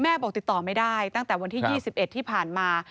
บอกติดต่อไม่ได้ตั้งแต่วันที่๒๑ที่ผ่านมา